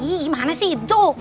ih gimana sih doh